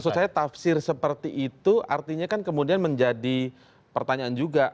maksud saya tafsir seperti itu artinya kan kemudian menjadi pertanyaan juga